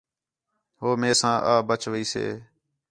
ہو مینسہ آ ٻچ ویسے